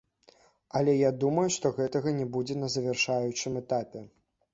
Але я думаю, што гэтага не будзе на завяршаючым этапе.